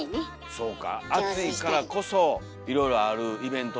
そうか暑いからこそいろいろあるイベントとかもねありますし。